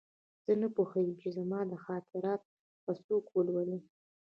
زه نه پوهېږم چې زما خاطرات به څوک ولولي